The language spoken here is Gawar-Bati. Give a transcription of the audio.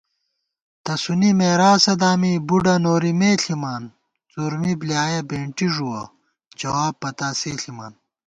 تسُونی مېراثہ دامی بُڈہ نوری مےݪِمان * څُورمی بۡلیایَہ بېنٹی ݫُوَہ جواب پتا سے ݪِمان